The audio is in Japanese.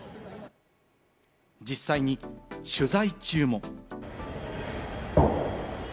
実際に取材中も。